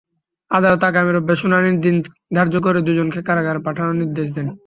আদালত আগামী রোববার শুনানির দিন ধার্য করে দুজনকে কারাগারে পাঠানো নির্দেশ দেন।